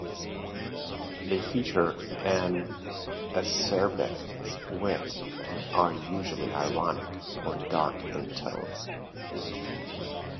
They feature an acerbic wit and are usually ironic or dark in tone.